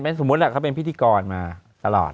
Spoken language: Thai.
ม็อตดำรับเป็นพิธีกรมาตลอด